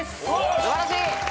素晴らしい。